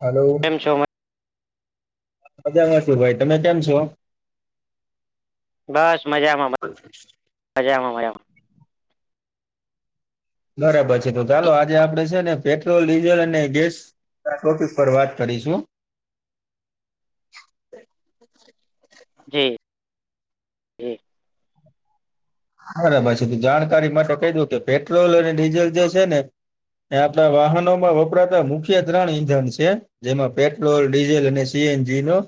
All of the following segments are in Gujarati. હલો કેમ છો? મજામાં છ ભાઈ તમે કેમ છો. બસ મજામાં બસ મજામાં મજામાં બરાબર છે તો ચાલો આજે આપડે છે ને પેટ્રોલ ડીઝલ અને ગેસ ટોફસ પર વાત કરીશું જી જી. બરાબર છે તું જાણકારી માટે કઈ દું કે પેટ્રોલ અને ડીઝલ જે છેને. એ આપણા વાહનોમાં વપરાતા મુખ્ય ત્રણ ઇંધન છે. જેમાં પેટ્રોલ ડીઝલ અને સીએનજી નો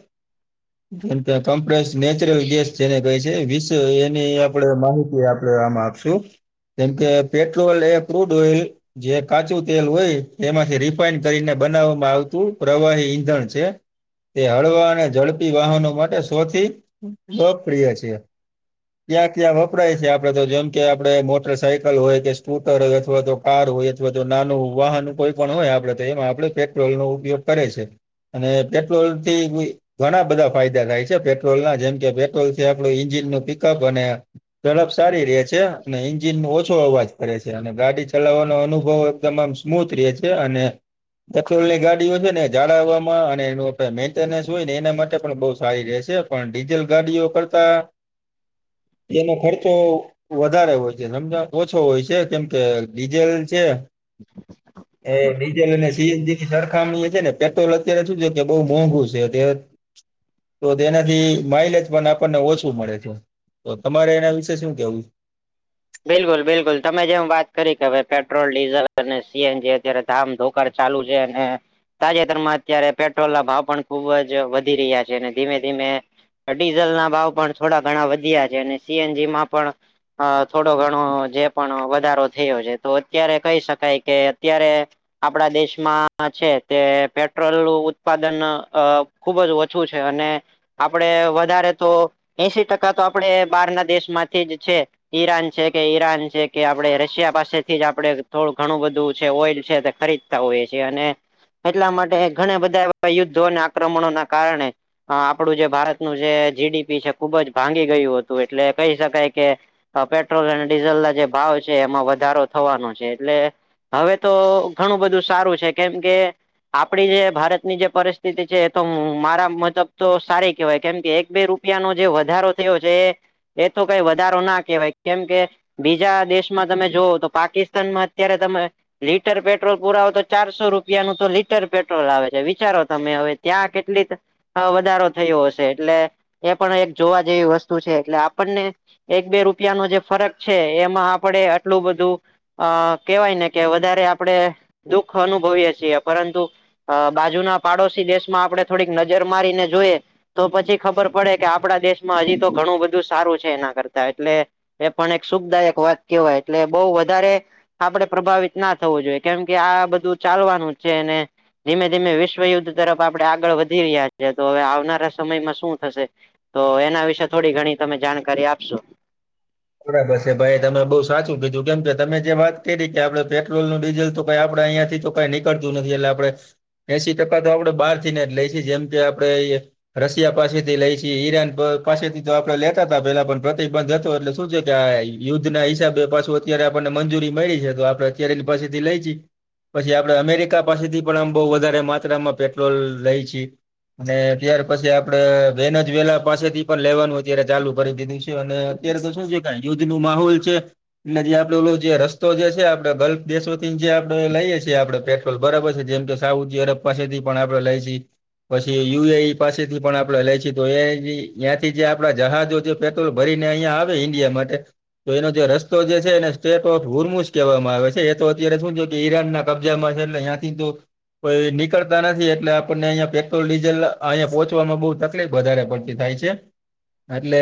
મ ત કોમ્પ નેચરલ ગેસ જેને કહે છે વિશ્ એની આપડે માહિતી આપડે આમાં આપશું જેમકે પેટ્રોલ એ પ્રુડ ઓઇલ જે કાચું તેલ હોય એમાંથી રિફાઈન કરીને બનાવવામાં આવતું પ્રવાહી ઈંધણ છે. તે હળવા અને ઝડપી વાહનો માટે સૌથી લોકપ્રિય છે. કયા ક્યા ભ પરાય છે આપડે તો જેમ કે આપડ મોટર સાયકલ હોય કે સ્કૂટર હોય અથવા તો કાર હોય. થવા તો નાનું વાહન કોઈ પણ હોય આપડે તો એમાં આપડ પેટ્રોલ નો ઉપયોગ કરે છે. અને પેટ્રોલ થી ઘણા બધા ફાયદા થાય છે પેટ્રોલ ના જેમ કે પેટ્રોલ થી આપણું ન્જિન નું પિકઅપ અને તડપ સારી રે છે અને ઇન્જિન ઓછ ઓો અવાજ પડે છે અને ગાડી ચલાવવાનો અનુભવ એકદમમ સ્મૂથ રે છે, અને દલની ગાડીઓ છે ને જાળવવામાં અને એનું મેન્ટેનન્સ હોય ને એના માટે પણ બહ સારી રહેશે. પણ ડીઝલ ગાડીઓ કરતા એનો ખર્ચો વધારે હોય છે લમજણ ઓછો હોય છે કેમ કે ડીઝેલ છે. એ નીચે લઈને સીએનજી ની સરખામણી છે ને પેટ્રોલ અત્યારે શું છે કે બહુ મોંઘું છે અ તો તેનાથી માઇલેજ પણ આપણને ઓછું મળે છે. તો તમારે એના વિશે શું કેવું છે. બિલકુલ બિલકુલ તમે જેમ વાત કરી કેવે પેટ્રોલ ડીઝલ અને સીએનજી અત્યારે ધામ ોકર ચાલુ છે અને તાજેતરમાં અત્યારે પેટ્રોલ ના ભાવ પણ ખુબ જ વધી રહ્યા છે અને ધીમે ધીમે ડીઝલના ભાવ પણ થોડા ઘણા વધ્યા છે અને સીએનજીમાં પણ થોડો ઘણો જે પણ વધારો થયો છે તો અત્યારે કહી શકાય કે અત્યારે આપણા દેશમાં છે તે પેટ્રોલ નું ઉત્પાદન અ ખુબ જ ઓછું છે અને આપડે વધારે તો એશી ટકા તો આપણે બહારના દેશ માંથી જ છે. ઈરાન છે કે ઈરાન છે કે આપણે રશિયા પાસેથી જ આપડે થોડું ઘણું બધું છે ઓઈલ છે ખરીદ હોએ છે અને એટલા માટે ઘણા બધા એ યુદ્ધો અને આક્રમણો ના કારણે આપણું જે ભારતનુ જે જીડીપી છે, ખુબ જ ભાંગી ગયું હતું એટલે કહી શકાય કે પેટ્રોલ અને ડીઝલ ના જે ભાવ છે એમાં વધારો થવાનો છે એટલે હવે તો ઘણું બધું સારું છે, કેમ કે આપડી જે ભારતની જે પરિસ્થિતિ છે તો મારા મતલબ તો સારી કેહેવાય કેમ કે એક બે રૂપ રૂપિયા નો જે વધારો થયો છે એ તો કઈ વધારો ના કવાય કેમ કે બીજા દેશમાં તમે જોવ તો પાકિસ્તાનમાં અત્યારે તમે લીટર પેટ્રોલ પુરાવ તો ચારસો રૂપિયાનું તો લીટર પેટ્રોલ આવે છે વિચારો તમે હવે ત્યાં કેટલી હ વધારો થયો હશે એટલે એ પણ એક જોવા જેવી વસ્તુ છે એટલે આપણને એક બે રૂપિયા નો જે ફરક છે એમાં આપડે આટલું બધું અ કેવાય ને કે વધારે આપણેે દુઃખ અનુભવીએ છીએ પરંતુ અ બાજુ ના પાડોશી દેશમાં આપડણે થોડીક નજર મારીને જોઈએ તો પછી ખબર પડે કે આપડા દેશમાં હજી તો ઘણું બધું સારું છે એના કરતા એટલે એ પણ એક સુખદાયક વાત કેવાય એટલે બહ વધારે આપડે પ્રભાવિત ના થવું જોઈએ કેમ કે આ બધું ચાલવાનું છે ને ધીમે ધીમે વિશ્વયુદ્ધ તરફ આપડણે આગળ વધી રહ્યા છીએ તો હવે આવનારા સમયમાં શું થશે તો એના વિશે થોડી ઘણી તમે જાણકારી આપશો બરાબર છે ભાઈ તમે બઉુ સાચું બીધું કેમ કે તમે જે વાત કરી કે આપડે પેટ્રોલ નું ડીઝલ તોઈ આપડે અહીયાં થી તો નીકળતું નથી એટલે આપડે એસી ટકા તો આપડે બહાર થી ને જ લઈશ જેમ કે આપડે રશિયા પાસેથી લઈ છ ઈરાન પાસેથી તો આપડે લેતા હતા પેલા પણ પ્રતિબંધ હતો એટલે શું છે કે આ યુદ્ધ ના હિસાબે પાછું અત્યારે આપણને મંજૂરી મળી છે તો આપડે અત્યારેની પાછી થી લઈ જએ પછી આપડણે અમેરિકા પાસેથી પણ આમ બહ વધારે માત્રામાં પેટ્રોલ રહી છી અને ત્યાર પછી આપડે વેનજ વેલા પાસેથી પણ લેવાનું અત્યારે ચાલુ કરી દીધું છે અને અત્યારે તો શું છે કે યુદ્ધ નું માહોલ છે એ જે આપડે ઓ જે રસ્તો જે છે આપડે ગલ્ફ દેશોથી જે આપડે લઈએ છીએ આપણે પે બરાબર છે જેમ કે સાઉદી અરબ પાસેથી પણ આપડે લઈશીએ પછી યુ એ ઈ પાસેથી પણ આપડે લઈ છીએ તો એ તયાંથી જે આપડા જહાજો જે પેટ્રોલ ભરીને અહિયાં આવે ઇન્ડિયા માટે તો એનો જે રસ્તો જે છે એને સ્ટેટ ઓફ ઉર્મુસ કહેવામાં આવે છે એ તો અત્યારે શું જો કે ઈરાનના કબજા મહેલ અયાયાથી તો કોઈ નીકળતા નથી એટલે આપણને અહંયા પેટ્રોલ ડીઝલ અહિયાયા પહોચવામાં બહ તકલીફ વધારે પડતી થાય છે એટલે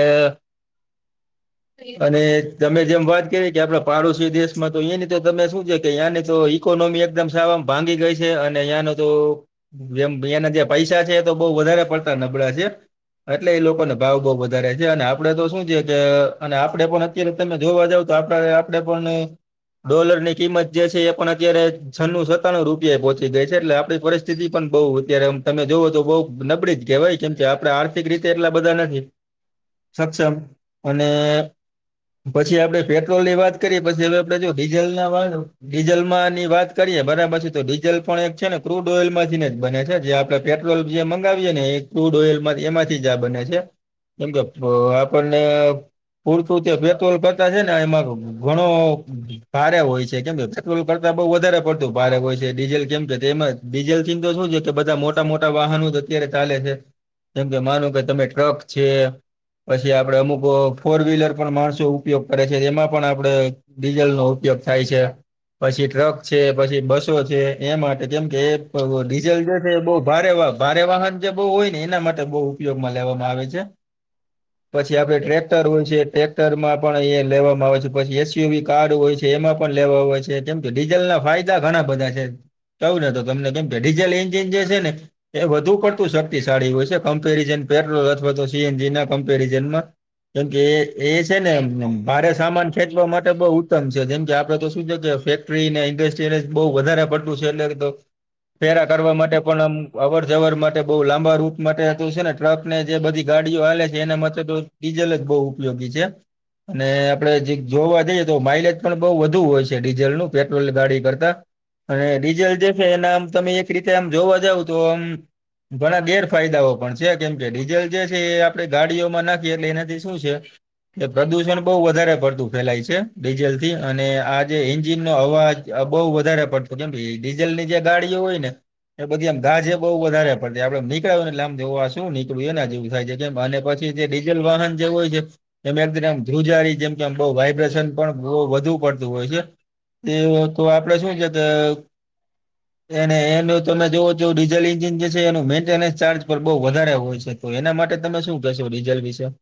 અને તમે જેમ વાત કરી કે આપડા પાડોશી દેશમાં તો એ ની તો તમે શું છે કે તયાંની તો ઇકોનોમી એકદમ સામ ભાંગી ગઈ છે અને અ્યાંનો તો મના જે પૈસા છે એ તો બહ વધારે પડતા નબળા છે એટલે એ લોકોને ભાવ બઉ વધારે છે અને આપડે તો શું છે કે અને આપડે પણ અત્યારે તમે જોવા જાવ તો આપ આપડે પણ ડોલર ની કિંમત જે છે એ પણ અત્યારે છનું સત્તાણું રૂપિયા પોહોંચી ગઈ છે એટલે આપડી પરિસ્થિતિ પણ બઉુ અત્યારે તમે જોઓ તો બઉ નબળી જ કહેવાય કેમ છે આપડા આર્થિક રીતે એટલા બધા નથી સક્ષમ પછી આપડે પેટ્રોલ ની વાત કરીએ પછી હવે આપડે જો ડીઝલ ના વા ડીઝલ માં ની વાત કરીએ બરાબર પછી તો ડીઝલ પણ એક છે ને ક્રૂડ ઓઇલ માંથીને જ બને છે જે આપડે પેટ્રોલ જે મગાવીએ ને એ ક્રૂડ ઓઇલમાંથી એમાંથી જ આ બને છે એમ કે આપણને પૂરતું તે પેટ્રોલ કરતા છે ને એમાં ઘણો ભારે હોય છે કેમ પેટ્રોલ કરતા બઉ વધારે પડતું ભારેક હોય છે ડીઝલ કેમ કે એમાં ડીઝલ થી તો શું છે કે બધા મોટા મોટા વાહનો અત્યારે ચાલે છે કેમ કે માનું કે તમે ટ્રક છે પછી આપડે અમુકો ફોર વ્હીલર પણ માણસો ઉપયોગ કરે છે તેમાં પણ આપડે ડીઝલનોો ઉપયોગ થાય છે પછી ટ્રક છે પછી બસો છે એ માટે કેમ કે એ ડીઝલ જે છે બહુ ભારે વાપ ભારે વાહન જે બહુ હોય ને એના માટે બહુ ઉપયોગમાં લેવામાં આવે છે પછી આપડે ટ્રેક ટક્ટર હોય છે ટ્રેક્ટર માં પણ એ લેવામાં આવે છે પછી એસયુવી કાર્ડ હોય છે એમાં પણ લેવામાં આવે છે કેમ કે ડીઝલ ના ફાયદા ઘણા બધા છે કવું ને તો તમને કેમ કે ડીઝલ એન્જિન જે છે ને એ વધુ પડતું શક્તિશાળી હોય છે કમ્પેરિઝન પેટ્રોલ અથવા તો સીએનજી ના કમ્પેરિઝનમાં કેમકે એ છે ને ભારે સામાન ખેંચવા માટે બઉ ઉત્તમ છે જેમ કે આપડે તો શું છે. ને ઇન્ડસ્ટ્રીને બહુ વધારે પડતું છે એટલે તો પેરા કરવા માટે પણ આમ- અવર જવર માટે બઉ લાંબા રૂટ માટે તો છે. ને ટ્રક ને જે બધી ગાડીઓ આલે છે એના માટે તો- ડીજલ જ બહુ ઉપયોગી છે. અને આપડે જે જોવા જઈએ તો માઇલેજ પણ બહ વધુ હોય છે ડીઝલ નું પેટ્રોલ ગાડી કરતા- અને ડીઝલ જે છે એના આમ તમે એક રીતે આમ જોવા જાવ તો આમ- ઘણા ગેરફાયદાઓ પણ છે. કેમ કે ડીઝલ જે છે એ આપડે ગાડીઓમાં નાખી એટલે એનાથી શું છે. એ પ્રદુષણ બહુ વધારે પડતું ફેલાય છે. ડીઝલ થી અને આ જે એન્જિનનો અવાજ- આ બહુ વધારે પડતું કેમ કે ડીઝલ ની જે ગાડીઓ હોય ને- એ બધી આમ ઘાજ એ બહુ વધારે પડ આપડે નીકળીયું ને લાબ જવ આ શું નીકળ્યું એને જેવું થાય છે. કેમ અને પછી જે ડીલ વાહન જેવ હોય છે. એમ એકમ ધ્રુજારી જેમ કેમ બહ વાયબ્રેશન પણ વધુ પડતું હોય છે. એ તો આપડે શું છે તો- એને એનું તમે જોવો જો ડીઝલ ન્જિન જે છે એનું મેન્ટેનન્સ ચાર્જ પણ બઉુ વધારે હોય છે. તો એના માટે તમે શું કેહેશો ડીઝલ વિશે-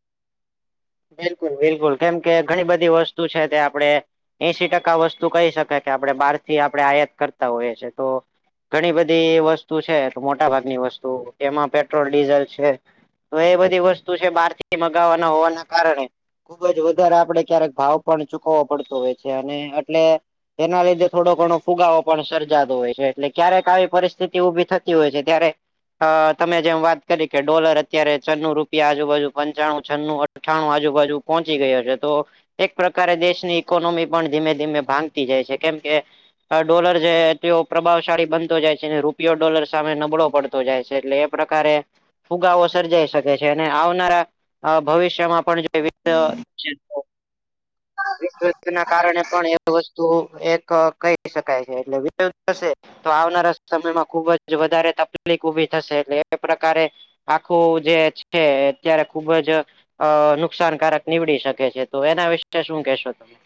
બિલકુલ બિલકુલ કેમ કે ઘણી બધી વસ્તુ છે તે આપડણે- એસી ટકા વસ્તુ કહી શકાય કે આપણે બાર થી આપણે આયાત કરતા હોઈએ છે છીએ તો- ઘણી બધી વસ્તુ છે મોટા ભાગની વસ્તુ એમાં પેટ્રોલ ડીઝલ છે. તો એ બધી વસ્તુ છે. બહાર થી મગાવવાના હોવાના કારણે- ખુબ જ વધારે આપડે ક્યારેક ભાવ પણ ચૂકવવો પડતો હોય છે. અને એટલે- એના લીધે થોડો ઘણો ફુગાવો પણ સર્જાતો હોય છે. એટલે ક્યારેક આવી પરિસ્થિતિ ઉભી થતી હોય છે. ત્યારે- અ તમે જેમ વાત કરી કે ડોલર અત્યારે છન્નું રૂપિયા આજુબાજુ પંચાણું છન્નું- અથાણું આજુબાજુ પહોંચી ગયો છે તો- એક પ્રકારે દેશની ઇકોનોમી પણ ધીમે ધીમે ભાંગતી જાય છે કેમ કે- ડોલર જે તે પ્રભાવશાળી બનતો જાય છે. અને રૂપિયો ડોલર સામે નબળો પડતો જાય છે એટલે એ- પ્રકારે ફુગાો સર્જાઈ શકે છે અને આવનારા- અ ભવિષ્યમાં પણ જો એ- ના કારણે પણ એ - તું એક કહી શકાય છે એટલે વિધ થશે- તો આવનારા સમયમાં ખુબ જ વધારે તકલીફ ઊભી થશે એટલે એ પ્રકારે- આખું જે છે અત્યારે ખુબ જ- અ નુકસાનકારક નીવડી શકે છે. તો એના વિશે શું કેશો તમે-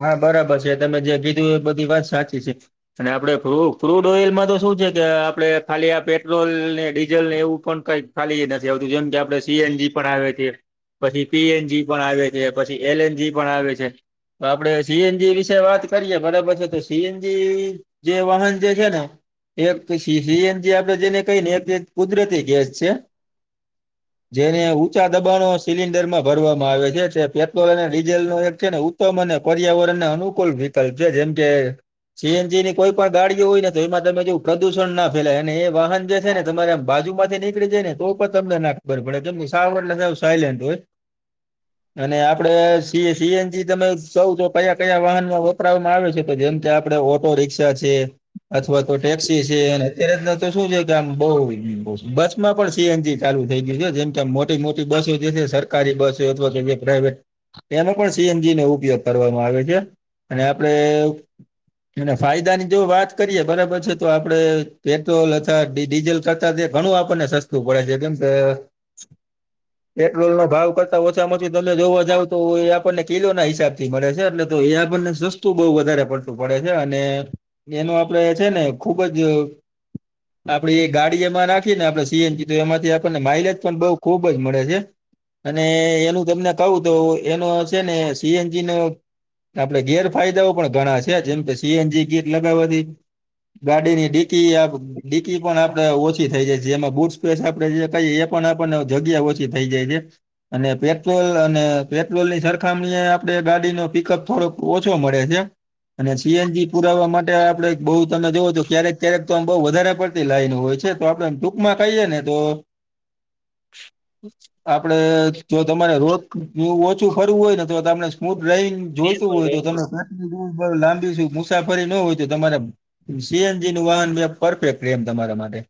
હા બરાબર છે તમે જે કીધું એ બધી વાત સાચી છે. અને આપડે ફ ફૂડ ઓઇલમાં તો શું છે કે આપડે ખાલી આ પેટ્રોલ ને ડીઝલને એવું પણ કઈક- ખાલી એ નથી આવતું જેમ કે આપડણે સીએનજી પર આવે છે. પછી પી એનજી પણ આવે છે પછી એલ એનજી પણ આવે છે. તો આપડે સીએનજી વિશે વાત કરીયે બરાબર છે તો સીએનજી જે વાહન જે છે ને- એક સીએનજી આપડણે જેને કહીને એક કુદરતી ગેસ છે- જેને ઊંચા દબાણો સિલિન્ડર માં ભરવામાં આવે છે જે પેટ્રોલ અને ડીઝલ નો એક છે ને- તો મને પર્યાવરણને અનુકૂલ વિકલ્પ છે જેમ કે- સીએનજી ની કોઈ પણ ગાડીઓ હોય ને તો એમાં તમે જોવું પ્રદુષણ ના ફેલાય અને એ વાહન જે છે. ને તમારેમ બાજુ માં નીકળી જાય ને તો પણ તમને ના ખબર પડે તમે સારને સા સાયલેન્ટ હોય- અને આપડે સીએનજી- તમે કવ છો કયા કયા વાહનમાં વપરાવામાં આવે છે કે જેમ કે આપડે ઓટો રિક્ક્ષા છે- અથવા તો ટેક્સી છે અત્યારે તો શું છે કે આમ બહ બસ- માં પણ સીએનજી ચાલુ થઈ ગયું છે જેમ કેમ મોટી મોટી બસો જે છે સરકારી બસો અથવા કે જે પ્રાાઈવેટ- એનો પણ સીએનજી ન ઉપયોગ કરવામાં આવે છે અને આપડે- અને ફાયદા ની જો વાત કરીએ બરાબર છે તો આપડે પેટ્રોલ અથવા ડીઝલ- તા જે ઘણું આપણને સસ્તું પડે છે કેમ કે- પેટ્રોલ નો ભાવ કરતા ઓછામાં ઓછી તમે જોવા જાવ તો આપણને, કિલો ના હિસાબ થી મળે છે એટલે તો એ આપણને સસ્તું બહુ વધારે પડતું પડે છે અને, એનું આપડે છે ને ખુબ જ, આપડી એ ગાડી એમાં નાખીએ ને આપણે સીએનજી તો એમાંથી આપણને માઇલેજ પણ ખુબ જ મળે છે. અને એનું તમને કહું તો એનો છે ને સી એનજી નો, આપડણે ગેર ફાયદાઓ પણ ઘણા છે જેમ કે સીએનજી ગેર લગાવવાથી, ગાડીની ડીકી આપ, ડીકી પણ આપડે ઓછી થઇ જાય છે જેમાં બુટ સ્પેસ આપડે જે કહીએ એ પણ આપને જગ્યા ઓછી થઇ જાય છે. અને પેટ્રોલ અને પેટ્રોલ ની સરકાર, કામણી આપણેે ગાડી નો પિકઅપ થોડોક ઓછો મળે છે. અને સીએનજી પુરાવા માટે આપણે બહુ તમે જોવો તો ક્યારેક તો આમ બહુ વધારે પડ, લાઈન હોય છે તો આપડે ટૂંક માં કહીએે ને તો, હચ. આપડે જો તમારે રોગ ઓછું ફરવું હોય ને તો તમે સ્મૂથ ડ્રાઈવિંગ, જોઈતું બિલકુલ હોય તો બિલકુલ લાંબી મુસાફરી ન હોય તો તમારે, સીએનજી નું વાન પરફેક્ટ તમારા માટે,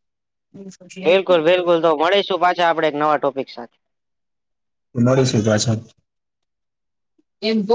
બિલકુલ બિલકુલ તો મળીશું પાછા આપણે એક નવા ટોપિક સાથે. મળી પાછા એમ,